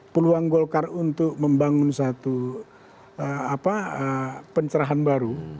peluang golkar untuk membangun satu pencerahan baru